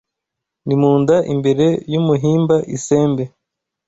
ni mu nda imbere y’umuhimba Isembe